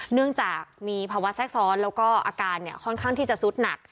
เนื่องจากมีภาวะแทรกซ้อนแล้วก็อาการเนี่ยค่อนข้างที่จะซุดหนัก